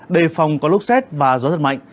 đề phòng có lốc xét và gió dần mạnh